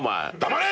黙れ！